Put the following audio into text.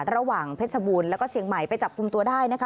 เพชรบูรณ์แล้วก็เชียงใหม่ไปจับกลุ่มตัวได้นะคะ